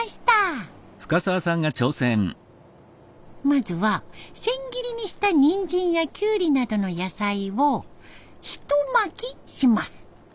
まずは千切りにしたニンジンやキュウリなどの野菜をひと巻きします。